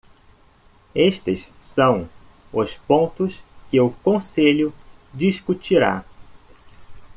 Estes são os pontos que o Conselho discutirá.